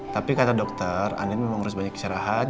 tapi kata dokter anda memang harus banyak istirahat